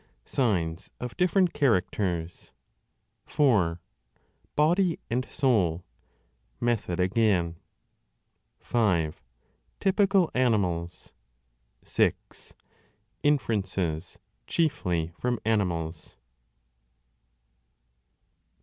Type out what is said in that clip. Signs of different characters. 4. Body and soul. Method again. 5. Typical animals. 6. Inferences, chiefly from animals.